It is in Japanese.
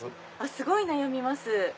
すごい悩みます。